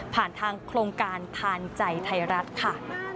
ผ่านทางโครงการทานใจไทยรัฐค่ะ